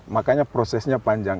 makanya prosesnya panjang